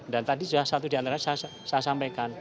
dan tadi sudah satu di antara saya sampaikan